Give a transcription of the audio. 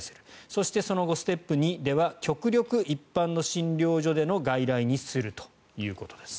そしてその後ステップ２では極力、一般の診療所での外来にするということです。